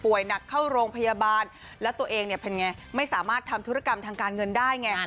หนักเข้าโรงพยาบาลแล้วตัวเองเนี่ยเป็นไงไม่สามารถทำธุรกรรมทางการเงินได้ไง